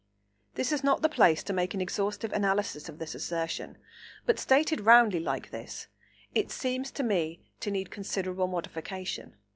This is not the place to make an exhaustive analysis of this assertion, but stated roundly, like this, it seems to me to need considerable modification.